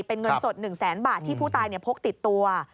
เป็นเงินสด๑แสนบาทที่ผู้ตายพกติดตัว